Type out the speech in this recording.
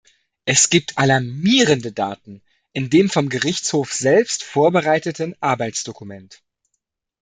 Es gibt alarmierende Daten in dem vom Gerichtshof selbst vorbereiteten Arbeitsdokument.